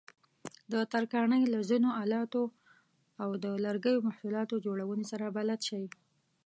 د ترکاڼۍ له ځینو آلاتو او د لرګیو محصولاتو جوړونې سره بلد شئ.